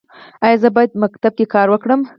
ایا زه باید په ښوونځي کې کار وکړم؟